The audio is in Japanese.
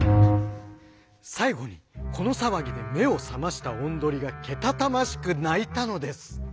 最後にこの騒ぎで目を覚ましたおんどりがけたたましく鳴いたのです。